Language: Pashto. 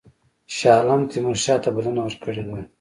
شاه عالم تیمورشاه ته بلنه ورکړې ده.